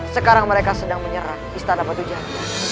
sekarang mereka sedang menyerang istana batu jati